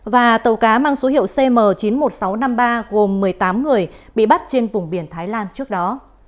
và tàu cá mang số hiệu cm chín mươi một nghìn sáu trăm năm mươi ba gồm một mươi tám người bị bắt trên vùng biển thái lan trước đó